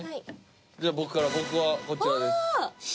じゃあ僕から僕はこちらです。